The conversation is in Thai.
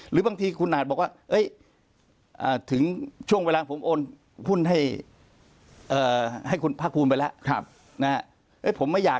หรือบางทีคุณอาจบอกว่า